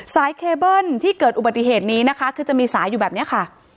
เคเบิ้ลที่เกิดอุบัติเหตุนี้นะคะคือจะมีสายอยู่แบบนี้ค่ะ